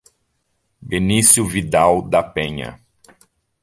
Benicio Vidal da Penha